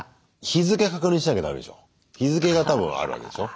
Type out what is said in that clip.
日付確認しなきゃダメでしょ。